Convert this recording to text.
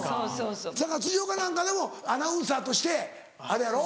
だから辻岡なんかでもアナウンサーとしてあれやろ？